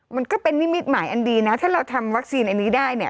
มันก็เป็นนิมิตหมายอันดีนะถ้าเราทำวัคซีนอันนี้ได้เนี่ย